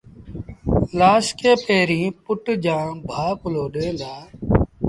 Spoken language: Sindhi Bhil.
لآش کي پيريݩ پُٽ جآݩ ڀآ ڪُلهو ڏيݩ دآ